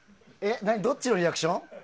どっちのリアクション？